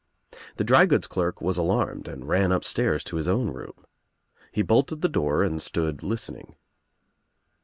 The drygoods clerk was alarmed and ran up stairs to his own room. He bolted the door and stood listening.